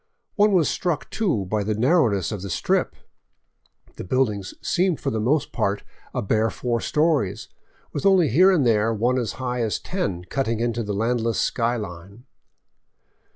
One was struck, too, by the narrowness of the strip ; the buildings seemed for the most part a bare four stories, with only here and there one as high as ten cutting into the landless sky line.